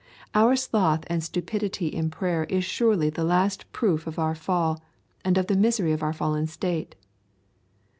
Our sloth and stupidity in prayer is surely the last proof of our fall and of the misery of our fallen state.